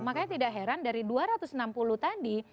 makanya tidak heran dari dua ratus enam puluh tadi